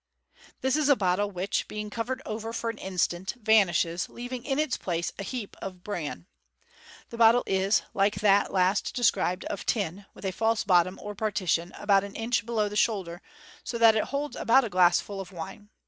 — This is a bottle, which, being covered over for an instant, vanishes, leaving in its place a heap of bran. The bottle is, like that last described, of tin, with a false bottom or par tition, about an inch below the shoulder, so that it holds about a glassful of wine.